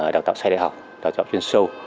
đào tạo sai đại học đào tạo chuyên sâu